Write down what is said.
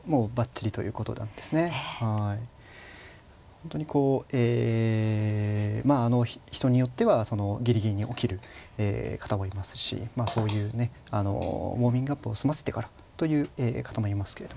本当にこうえまああの人によってはそのギリギリに起きる方もいますしそういうねウォーミングアップを済ませてからという方もいますけれども。